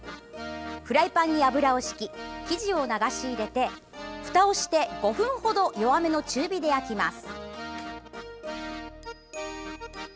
フライパンに油をひき生地を流し入れてふたをして５分程、弱めの中火で焼きます。